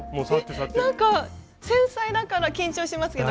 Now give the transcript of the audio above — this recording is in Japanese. なんか繊細だから緊張しますけど。